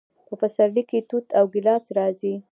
په پسرلي کې توت او ګیلاس راځي.